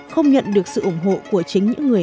không nhận được sự ủng hộ của chính những người